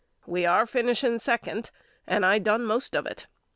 We are finishing second and I done most of it.